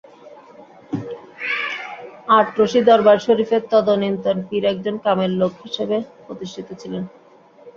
আটরশি দরবার শরিফের তদানীন্তন পীর একজন কামেল লোক হিসেবে প্রতিষ্ঠিত ছিলেন।